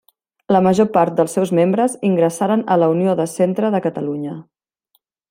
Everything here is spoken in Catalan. La major part dels seus membres ingressaren a la Unió de Centre de Catalunya.